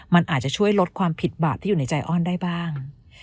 มันอาจจะช่วยลดความผิดบาปที่อยู่ในใจอ้อนได้บ้าง